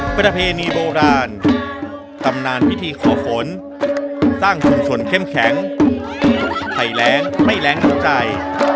เมื่อไหร่พระเภณีโบราณตำนานพิธีขอฝนสร้างชุ่มชนเข้มแข็งใครแร้งไม่แร้งน้ำใจ